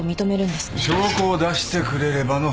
証拠を出してくれればの話だ。